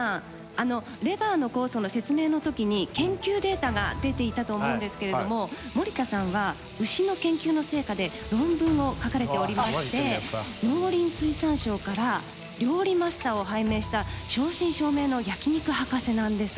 あのレバーの酵素の説明の時に研究データが出ていたと思うんですけれども森田さんは牛の研究の成果で論文を書かれておりまして農林水産省から料理マスターを拝命した正真正銘の焼肉博士なんです。